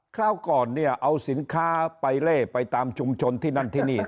คราวก่อนเนี่ยเอาสินค้าไปเล่ไปตามชุมชนที่นั่นที่นี่